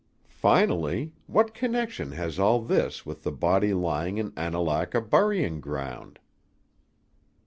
Finally, what connection has all this with the body lying in Annalaka burying ground?"